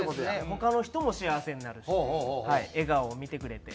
他の人も幸せになるし笑顔を見てくれて。